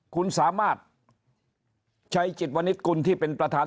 คุณสามารถชัยจิตวนิตกุลที่เป็นประธาน